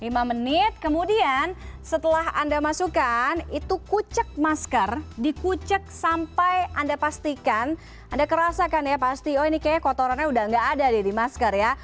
lima menit kemudian setelah anda masukkan itu kucek masker dikucek sampai anda pastikan anda kerasakan ya pasti oh ini kayaknya kotorannya udah nggak ada di masker ya